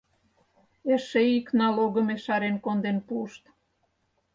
Эше ик налогым ешарен конден пуышт!»